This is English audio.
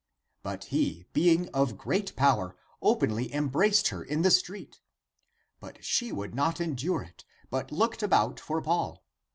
But he, being of great power, openly embraced her in the street. But she would not endure it, but looked about for Paul.